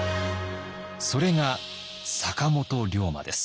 それが坂本龍馬です。